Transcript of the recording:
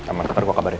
aman baru gue kabarin